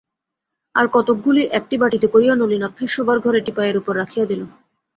আর-কতকগুলি একটি বাটিতে করিয়া নলিনাক্ষের শোবার ঘরে টিপাইয়ের উপর রাখিয়া দিল।